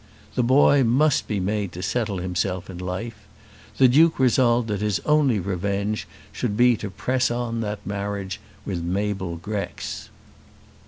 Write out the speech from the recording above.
The boy must be made to settle himself in life. The Duke resolved that his only revenge should be to press on that marriage with Mabel Grex.